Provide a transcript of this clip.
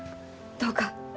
どうか。